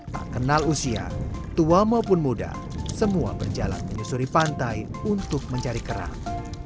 tak kenal usia tua maupun muda semua berjalan menyusuri pantai untuk mencari kerang